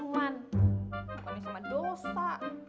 bukan sama dosa